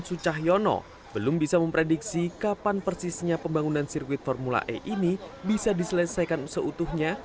sucah yono belum bisa memprediksi kapan persisnya pembangunan sirkuit formula e ini bisa diselesaikan seutuhnya